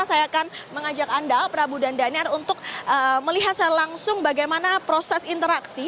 saya akan mengajak anda prabu dan daniar untuk melihat secara langsung bagaimana proses interaksi